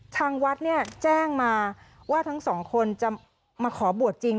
ทางวัดเนี่ยแจ้งมาว่าทั้งสองคนจะมาขอบวชจริง